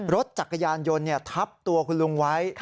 รถจักรยานยนต์ทับตัวคุณลุงไว้